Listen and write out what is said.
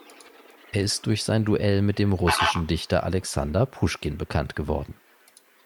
Er ist durch sein Duell mit dem russischen Dichter Alexander Puschkin bekannt geworden.